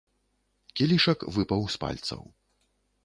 Кілішак выпаў з пальцаў.